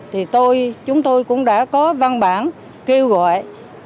thì tôi chúng tôi cũng đã có văn bản kêu gọi